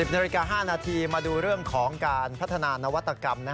นาฬิกา๕นาทีมาดูเรื่องของการพัฒนานวัตกรรม